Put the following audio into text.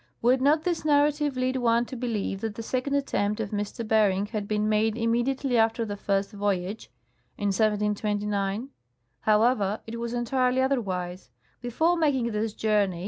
Would not this narrative lead one to believe that tlie second attempt of M. Bering had been made immediately after the first voyage [in 1729] ? However, it was entirely otherwise : Before making this journey M.